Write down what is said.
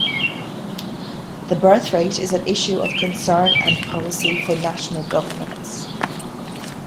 The birth rate is an issue of concern and policy for national governments.